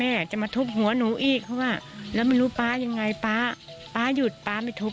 อ่ะจะมาทุบหัวหนูอีกเพราะว่าแล้วไม่รู้ป๊ายังไงป๊าป๊าหยุดป๊าไม่ทุบ